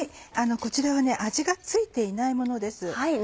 こちらは味が付いていないものです。